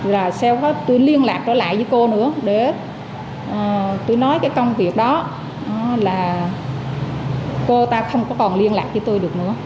rồi sau đó tôi liên lạc trở lại với cô nữa để tôi nói cái công việc đó là cô ta không còn liên lạc với tôi